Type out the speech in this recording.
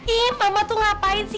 ih mama tuh ngapain sih